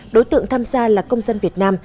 đối tượng tham gia là công dân việt nam